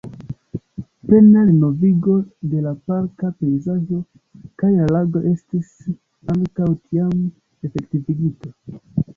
Plena renovigo de la parka pejzaĝo kaj la lagoj estis ankaŭ tiam efektivigita.